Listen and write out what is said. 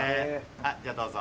じゃあどうぞ。